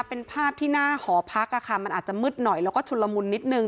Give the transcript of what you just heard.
เป็นภาพที่หน้าหอพักค่ะมันอาจจะมืดหน่อยแล้วก็ชุนละมุนนิดนึง